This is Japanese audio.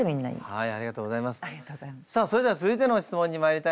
はい。